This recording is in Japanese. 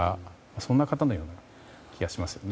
そんな方のような気がしますね。